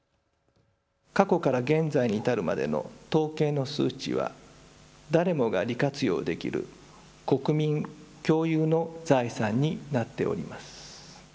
過去から現在に至るまでの統計の数値は誰もが利活用できる国民共有の財産になっております。